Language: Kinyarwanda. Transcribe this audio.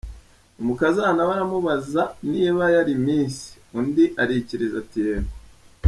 Umukazana we amubaza niba yari Miss, undi arikiriza ati 'Yego'.